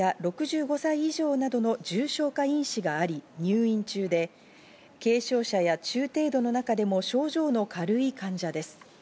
投与の対象は基礎疾患や６５歳以上などの重症化因子があり、入院中で軽症者や中程度の中でも症状の軽い患者です。